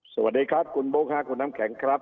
สวัสดีครับคุณบุ๊คค่ะคุณน้ำแข็งครับ